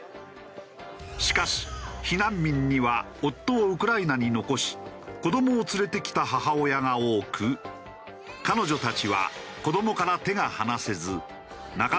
しかし避難民には夫をウクライナに残し子どもを連れてきた母親が多く彼女たちは。